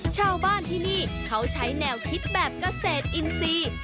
ชาวบ้านที่นี่เขาใช้แนวคิดแบบเกษตรอินทรีย์